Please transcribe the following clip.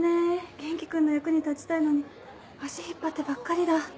元気君の役に立ちたいのに足引っ張ってばっかりだ。